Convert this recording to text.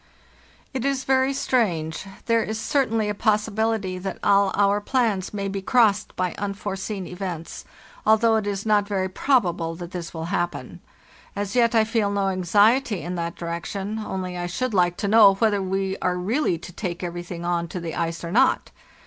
"It is very strange; there is certainly a possibility that all our plans may be crossed by unforeseen events, al though it is not very probable that this will happen. As yet I feel no anxiety in that direction, only I should like to know whether we are really to take everything on to the ice or not.